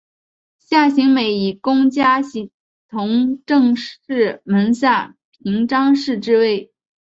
夏行美以功加同政事门下平章事之位。